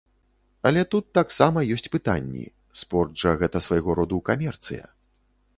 Але тут таксама ёсць пытанні, спорт жа гэта свайго роду камерцыя.